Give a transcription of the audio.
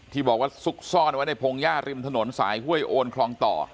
ที่บอกว่าซุกซ่อนไว้ในพงหญ้าริมถนนสายห้วยโอนคลองต่อ